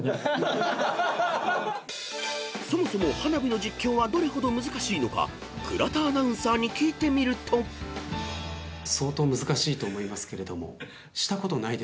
［そもそも花火の実況はどれほど難しいのか倉田アナウンサーに聞いてみると］できますか？